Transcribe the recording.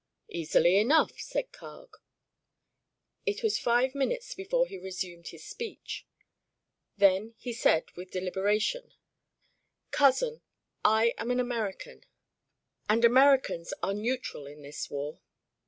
"Easily enough," said Carg. It was five minutes before he resumed his speech. Then he said with quiet deliberation: "Cousin, I am an American, and Americans are neutral in this war."